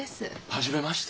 初めまして。